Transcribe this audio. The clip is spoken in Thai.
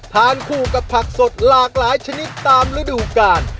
ทานคู่กับผักสดหลากหลายชนิดตามฤดูกาล